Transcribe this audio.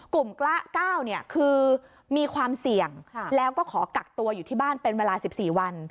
ละ๙คือมีความเสี่ยงแล้วก็ขอกักตัวอยู่ที่บ้านเป็นเวลา๑๔วัน